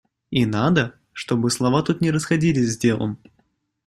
И надо, чтобы слова тут не расходились с делом.